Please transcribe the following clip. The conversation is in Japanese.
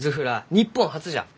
日本初じゃ。